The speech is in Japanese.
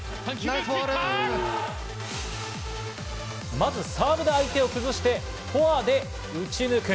まずサーブで相手を崩して、フォアで打ち抜く。